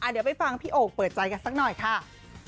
เดี๋ยวไปฟังพี่โอ่งเปิดใจกันสักหน่อยค่ะ